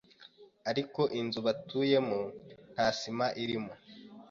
ariko inzu batuyemo nta sima irimo